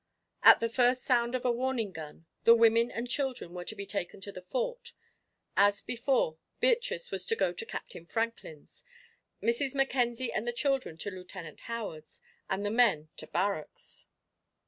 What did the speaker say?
At the first sound of a warning gun, the women and children were to be taken to the Fort. As before, Beatrice was to go to Captain Franklin's, Mrs. Mackenzie and the children to Lieutenant Howard's, and the men to barracks.